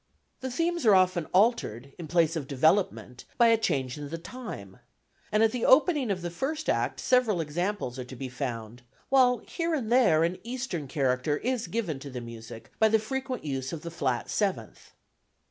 The themes are often altered, in place of development, by a change in the time; and at the opening of the first act several examples are to be found, while here and there an Eastern character is given to the music by the frequent use of the flat seventh.